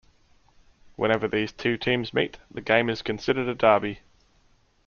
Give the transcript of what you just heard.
Whenever these two teams meet, the game is considered a derby.